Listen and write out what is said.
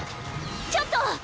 ちょっと！